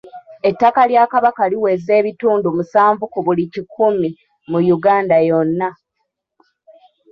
Ettaka lya Kabaka liweza ebitundu musanvu ku buli kikumi mu Uganda yonna.